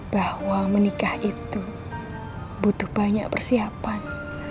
bahwa menikah itu butuh banyak persiapan